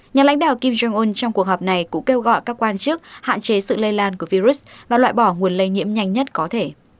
nhà lãnh đạo kim jong un trong cuộc họp này cũng kêu gọi các quan chức hạn chế sự lây lan của virus và loại bỏ nguồn lây nhiễm nhanh nhất có thể